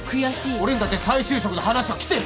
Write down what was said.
俺にだって再就職の話は来てる！